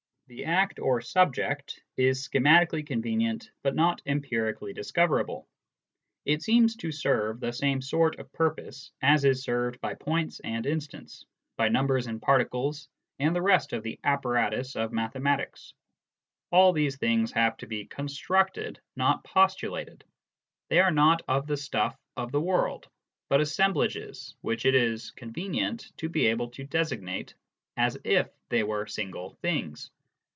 The act, or subject, is schematically convenient, but not empirically discoverable. It seems to serve the same sort of purpose as is served by points and instants, by numbers and particles and the rest of the apparatus of mathematics. All these things have to be constructed, not postulated : they are not of the stuff of the world, but assemblages which it is convenient to be able to designate as if they were single things.